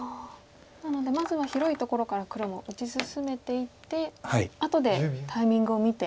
なのでまずは広いところから黒も打ち進めていって後でタイミングを見て。